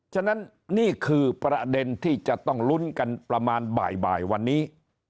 ฉะนั้นนี่คือประเด็นที่จะต้องลุ้นกันประมาณบ่ายวันนี้